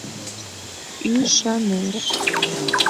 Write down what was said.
ӰШАНЕШ